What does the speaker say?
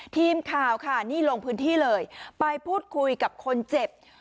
ทีมข่าวค่ะนี่ลงพื้นที่เลยไปพูดคุยกับคนเจ็บ